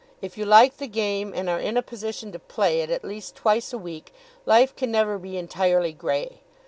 If you like the game, and are in a position to play it at least twice a week, life can never be entirely grey.